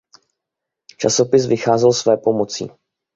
Časopis vycházel svépomocí.